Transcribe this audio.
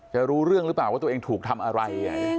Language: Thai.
รู้เรื่องหรือเปล่าว่าตัวเองถูกทำอะไร